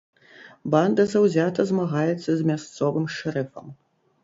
Банда заўзята змагаецца з мясцовым шэрыфам.